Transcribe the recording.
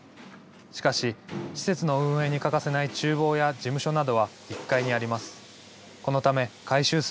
しかし、施設の運営に欠かせないちゅう房や事務所などは１階にあります。